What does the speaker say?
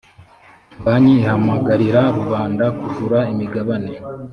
banki ihamagarira rubanda kugura imigabane